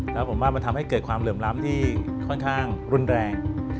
แล้วผมว่ามันทำให้เกิดความเหลื่อมล้ำที่ค่อนข้างรุนแรง